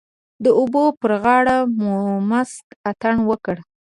د اوبو پر غاړه مو مست اتڼ وکړ.